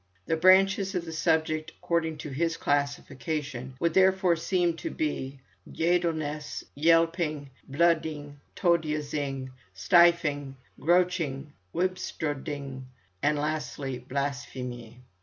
The branches of the subject, according to his classification, would therefore seem to be: "ydelnesse," "yelpinge," "bloudynge," "todiazinge," "stryfinge," "grochynge," "wyþstondinge," and lastly "blasfemye."